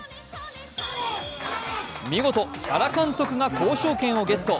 見事、原監督が交渉権をゲット。